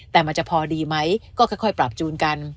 แต่มันจะพอดีไหมก็ค่อยปรับจูนกัน